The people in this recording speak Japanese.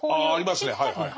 あありますね。